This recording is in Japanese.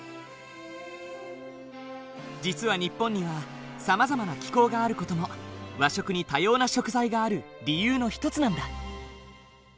実は日本にはさまざまな気候がある事も和食に多様な食材がある理由の一つなんだ。